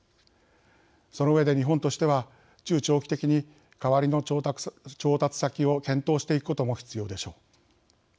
その上で日本としては中長期的に代わりの調達先を検討していくことも必要でしょう。